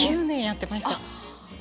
９年やってました。